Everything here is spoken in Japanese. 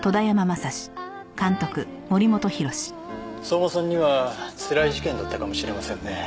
相馬さんにはつらい事件だったかもしれませんね。